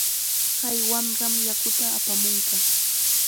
Kay wamram yakuta apamunqa.